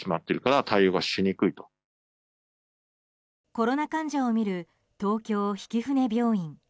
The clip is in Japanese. コロナ患者を診る東京曳舟病院。